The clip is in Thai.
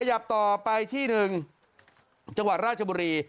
ขยับต่อไปที่๑จังหวัดราชบุรี